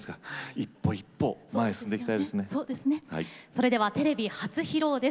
それではテレビ初披露です。